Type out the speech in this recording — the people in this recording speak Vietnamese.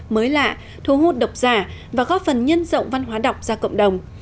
mới lạ thú hút đọc giả và góp phần nhân rộng văn hóa đọc ra cộng đồng